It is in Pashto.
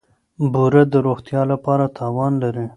بوره د روغتیا لپاره تاوان لري.